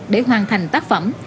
để hoàn thành tác phẩm